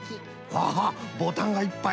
アハッボタンがいっぱい。